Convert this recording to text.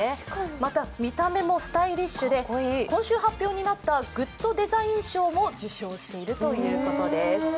また見た目もスタイリッシュで今週発表になったグッドデザイン賞も受賞しているということです。